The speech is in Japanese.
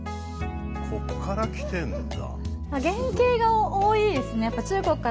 ここからきてんだ。